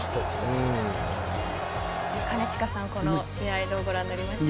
兼近さん、この試合どうご覧になりましたか？